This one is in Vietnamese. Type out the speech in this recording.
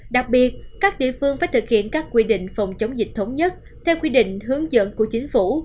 đặc biệt các địa phương phải thực hiện các quy định phòng chống dịch thống nhất theo quy định hướng dẫn của chính phủ